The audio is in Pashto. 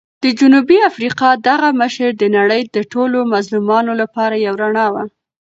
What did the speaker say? د جنوبي افریقا دغه مشر د نړۍ د ټولو مظلومانو لپاره یو رڼا وه.